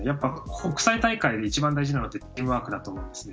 国際大会で一番大事なのはチームワークだと思うんですね。